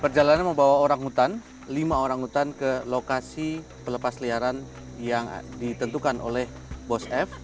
perjalanan membawa orang hutan lima orang hutan ke lokasi pelepas liaran yang ditentukan oleh bos f